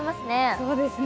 そうですね